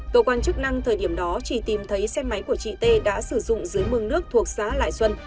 tổ quan chức năng thời điểm đó chỉ tìm thấy xe máy của chị t đã sử dụng dưới mương nước thuộc xã lại xuân